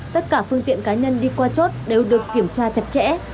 tất cả phương tiện cá nhân đi qua chốt đều được kiểm tra chặt chẽ